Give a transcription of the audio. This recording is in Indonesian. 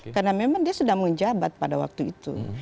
karena memang dia sudah menjabat pada waktu itu